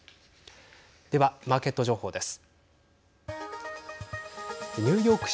では、マーケット情報です。